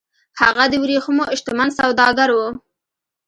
هغه د ورېښمو شتمن سوداګر و